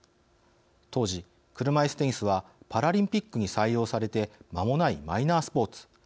当時、車いすテニスはパラリンピックに採用されてまもないマイナースポーツ。